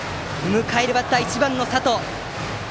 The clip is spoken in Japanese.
迎えるバッターは１番の佐藤。